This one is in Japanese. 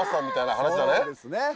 みたいな話だね。